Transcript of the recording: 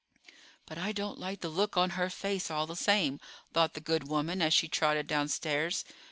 "But I don't like the look on her face, all the same," thought the good woman as she trotted downstairs.